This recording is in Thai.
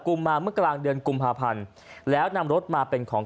ุมมาเมื่อกลางเดือนกุมภาพันธ์แล้วนำรถมาเป็นของ